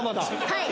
はい。